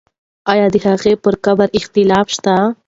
آیا د هغې پر قبر اختلاف شته؟